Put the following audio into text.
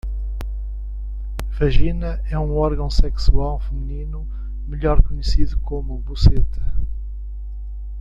vagina é um órgão sexual feminino melhor conhecido como boceta